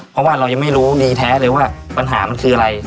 เพราะว่าเรายังไม่รู้ดีแท้เลยว่าปัญหามันคืออะไร